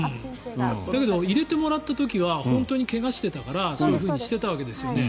だけど入れてもらった時は本当に怪我をしてたからそういうふうにしてたわけですよね。